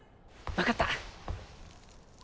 わかった。